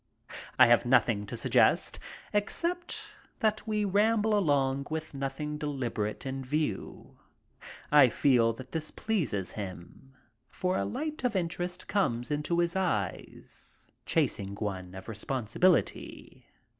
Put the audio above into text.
I have nothing to suggest except that we ramble along with nothing deliberate in view. I feel that this pleases him, for a light of interest comes into his eyes, chasing one of responsibility.